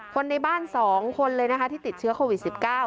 คนในบ้าน๒คนเลยนะคะที่ติดเชื้อโควิด๑๙